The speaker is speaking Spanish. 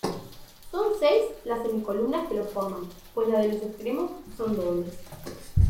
Son seis las semicolumnas que lo forman, pues las de los extremos son dobles.